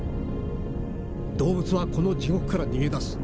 動物はこの地獄から逃げ出す。